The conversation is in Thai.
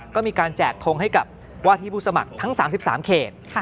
ก็มีการแจกทงให้กับว่าที่ผู้สมัครทั้ง๓๓เขต